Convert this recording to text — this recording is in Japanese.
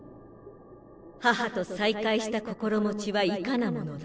母と再会した心持ちはいかなものだ？